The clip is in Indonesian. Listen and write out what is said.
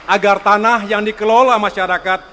agar tanah yang dikelola masyarakat